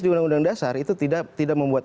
di undang undang dasar itu tidak membuat